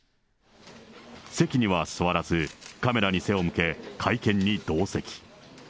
席には座らず、カメラに背を向け、会見に同席。